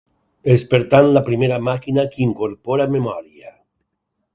És per tant la primera màquina que incorpora memòria.